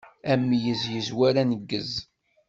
Ameyyez yezwar aneggez.